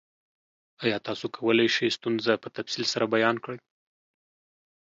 ایا تاسو کولی شئ ستونزه په تفصیل سره بیان کړئ؟